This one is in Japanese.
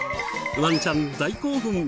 ワンちゃん大興奮。